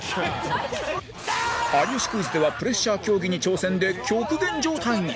『有吉クイズ』ではプレッシャー競技に挑戦で極限状態に！